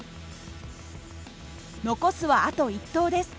残すはあと１投です。